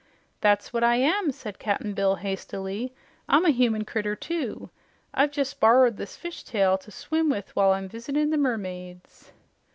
"That's what I am," said Cap'n Bill hastily. "I'm a human critter, too. I've jes' borrered this fish tail to swim with while I'm visitin' the mermaids."